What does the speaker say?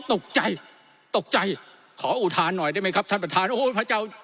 ตกใจตกใจขออุทานหน่อยได้ไหมครับท่านประธานโอ้โหพระเจ้า